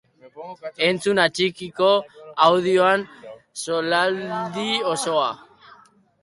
Entzun atxikituriko audioan solasaldi osoa!